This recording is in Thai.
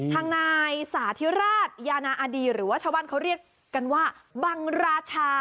ทางนายสาธิราชยานาอาดีหรือว่าชาวบ้านเขาเรียกกันว่าบังราชา